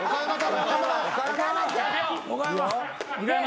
岡山！